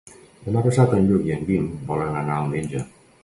Demà passat en Lluc i en Guim volen anar al metge.